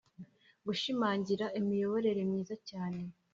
gushimangira lmiyoborere myiza cyane